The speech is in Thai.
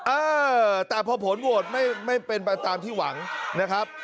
เออแต่พอผลโหวตไม่เป็นไปตามที่หวังนะครับ